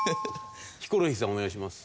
ヒコロヒーさんお願いします。